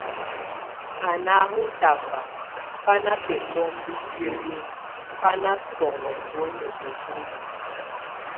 A nahɔ tafa, bá na bebombo sielin, bá na sɔŋɔ tuen uhúli.